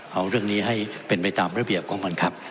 เอาเรื่องนี้ให้เป็นไปตามระเบียบของมันครับ